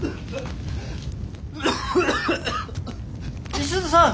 ・美鈴さん！